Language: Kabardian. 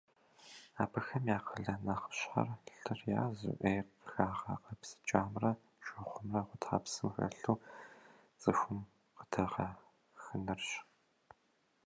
Абыхэм я къалэн нэхъыщхьэр - лъыр язу, ӏей къыхагъэкъэбзыкӏамрэ шыгъумрэ гъутхьэпсым хэлъу цӏыхум къыдэгъэхынырщ.